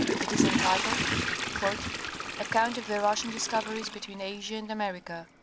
It is entitled: * Account of the Russian discoveries between Asia and America.